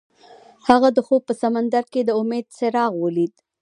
هغه د خوب په سمندر کې د امید څراغ ولید.